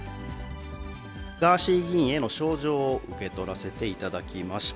ガーシー議員への招状を受け取らせていただきました。